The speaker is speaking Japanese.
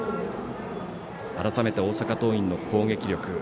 改めて大阪桐蔭の攻撃力。